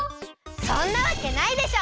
そんなわけないでしょ！